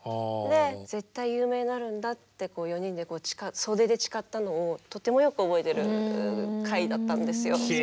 絶対有名になるんだって４人で袖で誓ったのをとてもよく覚えてる回だったんですよ。